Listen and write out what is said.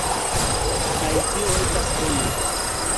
kaj tio estas bona.